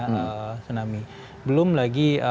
tsunami belum lagi